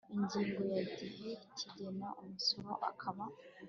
ingingo ya igihe kigera umusoro ukaba